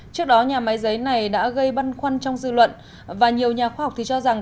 trước đó nhà máy giấy này đã gây băn khoăn trong dư luận và nhiều nhà khoa học cho rằng